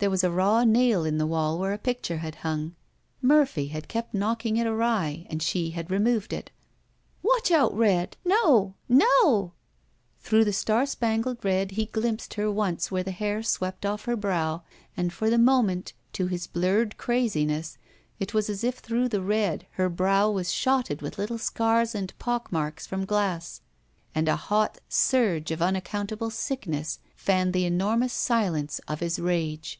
There was a raw nail in the wall where a picture had hung. Murphy had kept knock ing it awry and she had removed it. ''Watch out. Red! No o^o— " Through the star spangled red he glimpsed her once where the hair swept off her brow, and for the moment, to his blurred craziness, it was as if through the red her brow was shotted with little scars and pock marks from glass, and a hot surge of unac cotmtable sickness fanned the enormous silence of his rage.